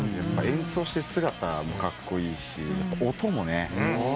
演奏してる姿もカッコイイし音もね。